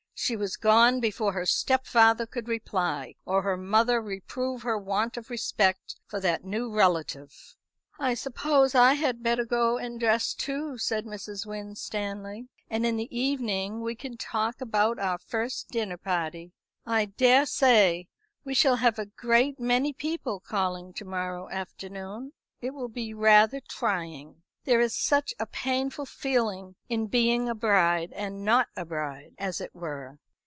She was gone before her stepfather could reply, or her mother reprove her want of respect for that new relative. "I suppose I had better go and dress too," said Mrs. Winstanley, "and in the evening we can talk about our first dinner party. I daresay we shall have a great many people calling to morrow afternoon. It will be rather trying. There is such a painful feeling in being a bride and not a bride, as it were.